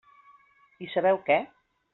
I sabeu què?